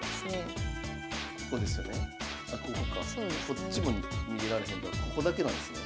こっちも逃げられへんからここだけなんですね。